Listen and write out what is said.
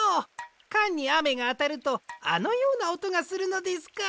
カンにあめがあたるとあのようなおとがするのですか。